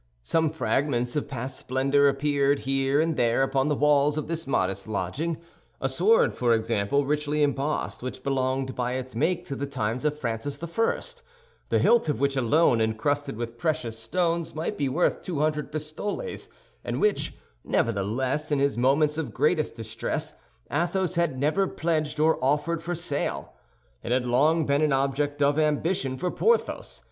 Some fragments of past splendor appeared here and there upon the walls of this modest lodging; a sword, for example, richly embossed, which belonged by its make to the times of Francis I, the hilt of which alone, encrusted with precious stones, might be worth two hundred pistoles, and which, nevertheless, in his moments of greatest distress Athos had never pledged or offered for sale. It had long been an object of ambition for Porthos.